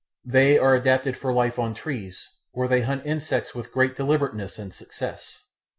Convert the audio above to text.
They are adapted for life on trees, where they hunt insects with great deliberateness and success.